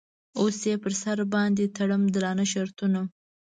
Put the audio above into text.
اوس یې په سر باندې تړم درانده شرطونه.